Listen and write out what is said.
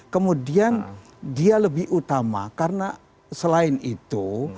kemudian dia lebih utama karena selain itu